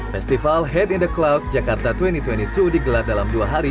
festival head in the cloud jakarta dua ribu dua puluh dua digelar dalam dua hari